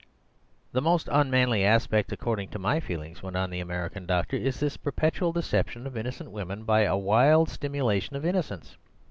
"The most unmanly aspect, according to my feelings," went on the American doctor, "is this perpetual deception of innocent women by a wild simulation of innocence.